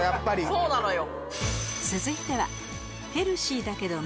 そうなのよ。